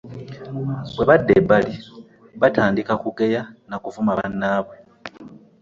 Bwe badda ebbali batandika kugeya na kuvuma bannabwe .